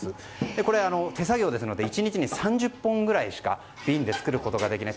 これは手作業ですので１日に３０本くらいしか瓶で作ることができない